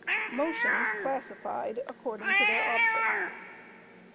Motions Classified According to their Object.